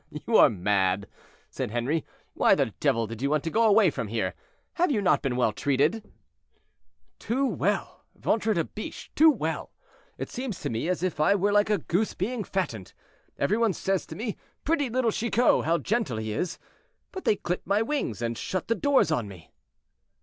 "You are mad," said Henri. "Why the devil did you want to go away from here, have you not been well treated?" "Too well, ventre de biche! too well. It seems to me as if I were like a goose being fattened. Every one says to me, 'Pretty little Chicot, how gentle he is!' but they clip my wings, and shut the doors on me."